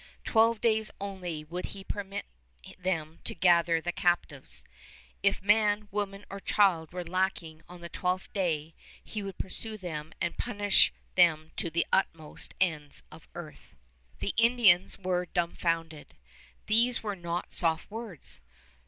Twelve days only would he permit them to gather the captives. If man, woman, or child were lacking on the twelfth day, he would pursue them and punish them to the uttermost ends of earth. The Indians were dumfounded. These were not soft words.